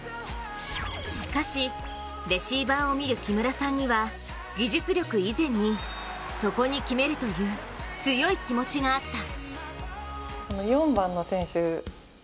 しかし、レシーバーを見る木村さんには技術力以前にそこに決めるという強い気持ちがあった。